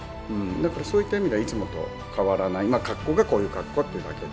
だからそういった意味ではいつもと変わらない格好がこういう格好というだけで。